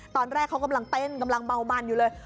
ตอนแรกเขากำลังเต้นกำลังเมามันอยู่เลย